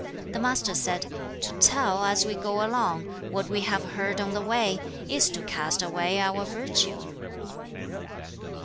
The Master said, 'To tell, as we go along, what we have heard on the way, is to cast away our virtue.'